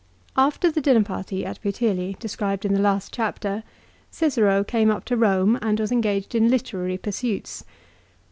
AFTER the dinner party at Puteoli described in the last chapter, Cicero came up to Eome and was engaged in B c 44 literary pursuits.